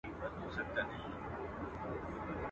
حیوانان یې پلټل په سمه غره کي.